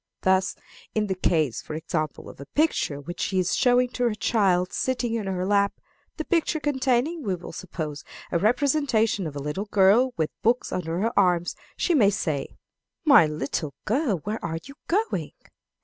Thus, in the case, for example, of a picture which she is showing to her child sitting in her lap the picture containing, we will suppose, a representation of a little girl with books under her arm she may say, "My little girl, where are you going?